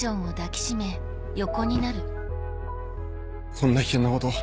こんな危険なこと